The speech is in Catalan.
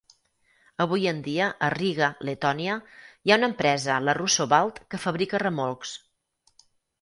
Avui en dia, a Riga, Letònia, hi ha una empresa, la Russo-Balt, que fabrica remolcs.